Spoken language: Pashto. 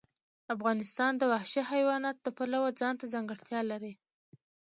افغانستان د وحشي حیوانات د پلوه ځانته ځانګړتیا لري.